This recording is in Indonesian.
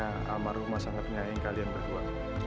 sama rumah sangatnya yang kalian berdua